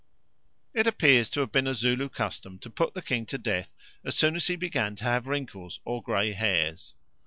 It appears to have been a Zulu custom to put the king to death as soon as he began to have wrinkles or grey hairs.